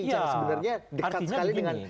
bicara sebenarnya dekat sekali dengan